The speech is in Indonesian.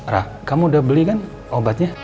rah kamu udah beli kan obatnya